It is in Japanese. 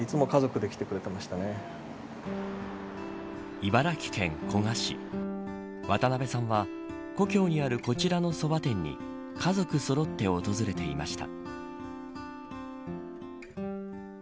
茨城県古河市渡辺さんは故郷にあるこちらのそば店に家族そろって訪れていました。